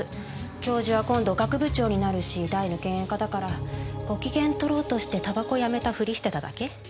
教授は今度学部長になるし大の嫌煙家だからご機嫌とろうとして煙草やめたふりしてただけ。